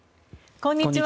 こんにちは。